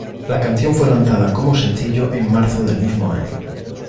La canción fue lanzada como sencillo en marzo del mismo año.